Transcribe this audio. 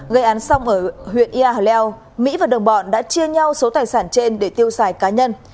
gây án xong ở huyện ia hà leo mỹ và đồng bọn đã chia nhau số tài sản trên để tiêu xài cá nhân